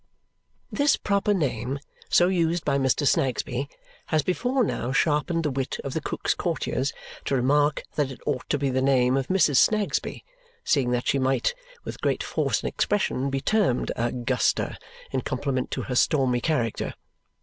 This proper name, so used by Mr. Snagsby, has before now sharpened the wit of the Cook's Courtiers to remark that it ought to be the name of Mrs. Snagsby, seeing that she might with great force and expression be termed a Guster, in compliment to her stormy character.